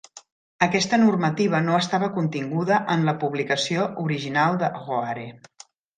Aquesta normativa no estava continguda en la publicació original de Hoare.